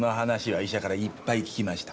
医者からいっぱい聞きました。